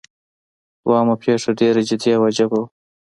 دوهمه پیښه ډیره جدي او عجیبه وه.